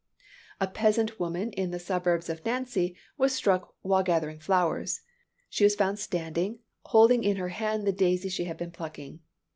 A peasant woman in the suburbs of Nancy was struck while gathering flowers. She was found standing, holding in her hand the daisy she had been plucking.